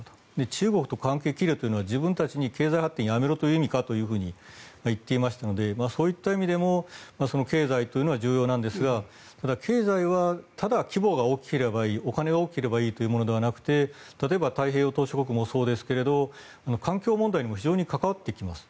中国と関係を切れというのは自分たちに経済発展をやめろという意味かと言っていましたのでそういった意味でも経済というのは重要なんですがただ、経済はただ規模が大きければいいお金が大きければいいというものではなくて例えば太平洋島しょ国もそうですが環境問題にも非常に関わってきます。